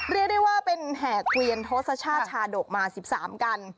เรียกได้ว่าเป็นแห่เกวียนทศชาติชาดกมา๑๓กัน